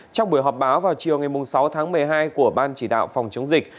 trong buổi họp báo vào chiều ngày sáu tháng một mươi hai của ban chỉ đạo phòng chống dịch